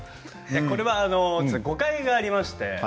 これは誤解がありまして。